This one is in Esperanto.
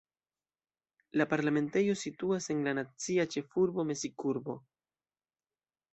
La parlamentejo situas en la nacia ĉefurbo Meksik-urbo.